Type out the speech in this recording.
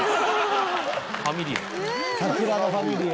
ファミリア。